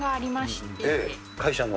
会社の？